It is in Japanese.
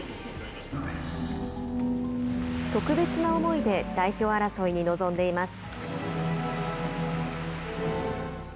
特別な思いで代表争いに臨んでいます。